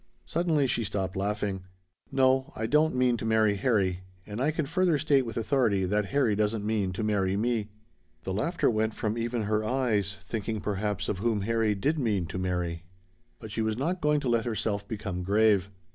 Suddenly she stopped laughing. "No, I don't mean to marry Harry, and I can further state with authority that Harry doesn't mean to marry me." The laughter went from even her eyes thinking, perhaps, of whom Harry did mean to marry. But she was not going to let herself become grave.